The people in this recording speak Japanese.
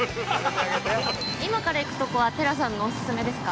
◆今から行くところは、寺さんのお勧めですか。